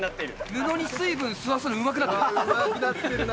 布に水分吸わすの、うまくなうまくなってるな。